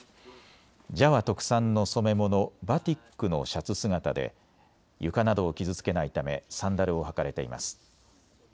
ジャワ特産の染め物、バティックのシャツ姿で床などを傷つけないためサンダルを履かれています。